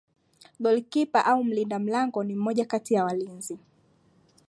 Goli kipa au mlinda mlango ni mmoja kati ya walinzi